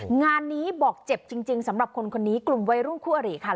งานนี้บอกเจ็บจริงสำหรับคนคนนี้กลุ่มวัยรุ่นคู่อริค่ะ